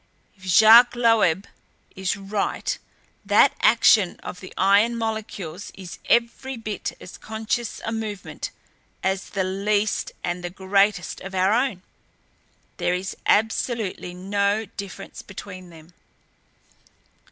"If Jacques Loeb* is right, that action of the iron molecules is every bit as conscious a movement as the least and the greatest of our own. There is absolutely no difference between them.